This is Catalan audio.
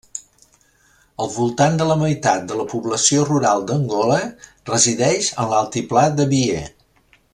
Al voltant de la meitat de la població rural d'Angola resideix en l'altiplà de Bié.